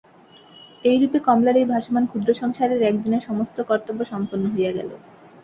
এইরূপে কমলার এই ভাসমান ক্ষুদ্র সংসারের একদিনের সমস্ত কর্তব্য সম্পন্ন হইয়া গেল।